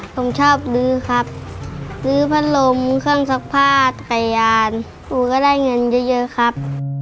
ผมชอบลื้อครับลื้อพัดลมเครื่องซักผ้าขยานครูก็ได้เงินเยอะเยอะครับ